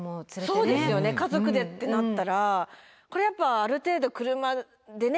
そうですよね家族でってなったらこれやっぱある程度車でね